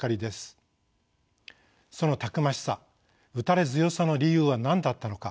そのたくましさ打たれ強さの理由は何だったのか。